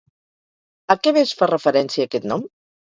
A què més fa referència aquest nom?